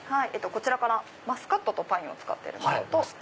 こちらからマスカットとパインを使ってるもの。